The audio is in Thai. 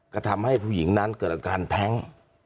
ก็ทำให้ผู้หญิงนั้นเกิดอาการแท้ง